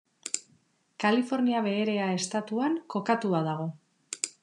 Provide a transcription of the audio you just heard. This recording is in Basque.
Kalifornia Beherea estatuan kokatua dago.